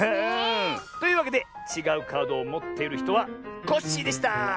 というわけでちがうカードをもっているひとはコッシーでした！